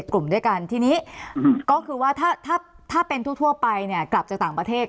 กลุ่มด้วยกันทีนี้ก็คือว่าถ้าเป็นทั่วไปเนี่ยกลับจากต่างประเทศ